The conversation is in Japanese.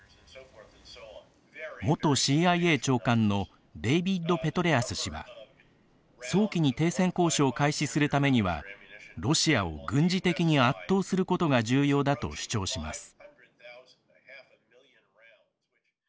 元ＣＩＡ長官のデイビッド・ペトレアス氏は早期に停戦交渉を開始するためにはロシアを軍事的に圧倒することが重要だと主張します。